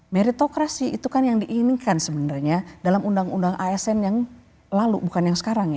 meritokrasi itu kan yang diinginkan sebenarnya dalam undang undang asn yang lalu bukan yang sekarang ya